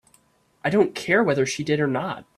I don't care whether she did or not.